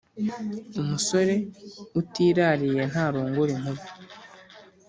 Umusore utiraririye ntarongora inkumi